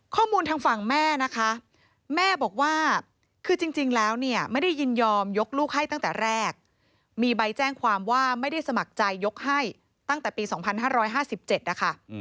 ทางฝั่งแม่นะคะแม่บอกว่าคือจริงแล้วเนี่ยไม่ได้ยินยอมยกลูกให้ตั้งแต่แรกมีใบแจ้งความว่าไม่ได้สมัครใจยกให้ตั้งแต่ปี๒๕๕๗นะคะ